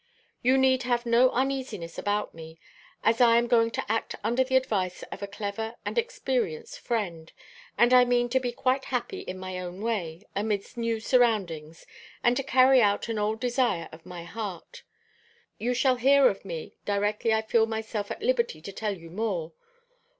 You need have no uneasiness about me, as I am going to act under the advice of a clever and experienced friend, and I mean to be quite happy in my own way, amidst new surroundings, and to carry out an old desire of my heart. You shall hear of me directly I feel myself at liberty to tell you more.